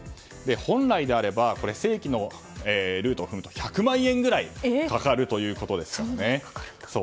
本来なら正規のルートを組むと１００万円ぐらいかかるということですからね。